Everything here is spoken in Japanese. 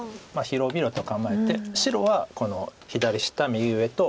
広々と構えて白はこの左下右上と。